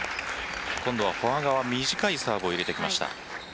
今度はフォア側短いサーブを入れてきました。